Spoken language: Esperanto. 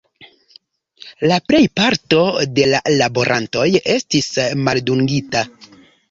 La plejparto de la laborantoj estis maldungita.